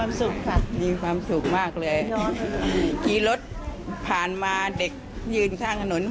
แล้วตอนนี้มีความแต่งขึ้นกันแล้วเหมือนมีความเลิศจริงไง